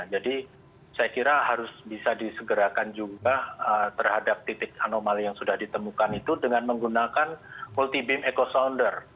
jadi saya kira harus bisa disegerakan juga terhadap titik anomali yang sudah ditemukan itu dengan menggunakan multi beam echo sounder